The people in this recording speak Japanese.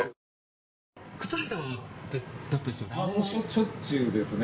しょっちゅうですね。